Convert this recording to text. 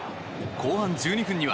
後半１２分には。